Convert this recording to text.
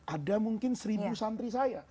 ada mungkin seribu santri saya